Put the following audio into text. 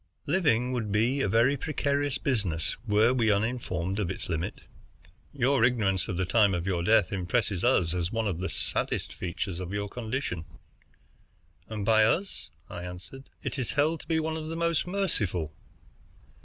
"Living would be a very precarious business, were we uninformed of its limit. Your ignorance of the time of your death impresses us as one of the saddest features of your condition." "And by us," I answered, "it is held to be one of the most merciful."